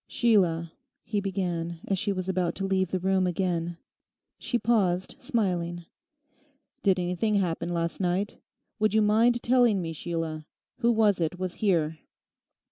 'Sheila,' he began, as she was about to leave the room again. She paused, smiling. 'Did anything happen last night? Would you mind telling me, Sheila? Who was it was here?